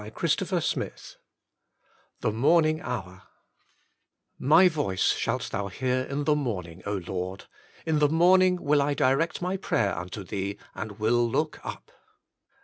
166 THE INNER CHAMBER THE MORNING HOUE " My voice shalt thou hear in the morning, O Lord ; in the morning will I direct my prayer unto Thee, and will look up."